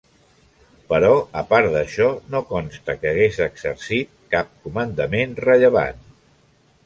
Però a part d'això no consta que hagués exercit cap comandament rellevant.